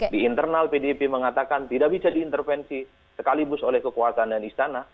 di internal pdip mengatakan tidak bisa diintervensi sekaligus oleh kekuasaan dan istana